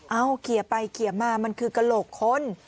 เอาเขียไปเขียมามันคือกระโหลกคน